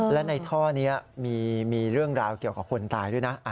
และในท่อนี้มีเรื่องราวเกี่ยวกับคนตายด้วยนะ